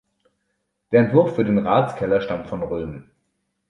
Der Entwurf für den Ratskeller stammt von Röhm.